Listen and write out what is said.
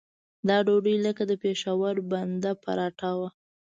دا ډوډۍ لکه د پېښور بنده پراټه وه.